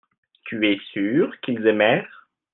tu es sûr qu'ils aimèrent.